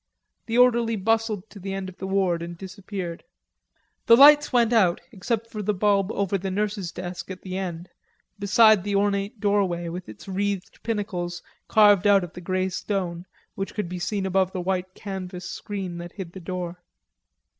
The orderly bustled to the end of the ward and disappeared. The lights went out, except for the bulb over the nurse's desk at the end, beside the ornate doorway, with its wreathed pinnacles carved out of the grey stone, which could be seen above the white canvas screen that hid the door.